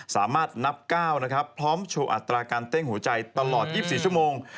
สามารถนับก้าวนะครับพร้อมโชว์อัตราการเต้นหัวใจตลอด๒๔ชั่วโมง